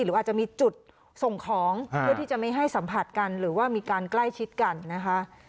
หรืออาจจะมีจุดส่งของเพื่อที่จะไม่ให้สัมผัสกันหรือว่ามีการใกล้ชิดกันนะคะ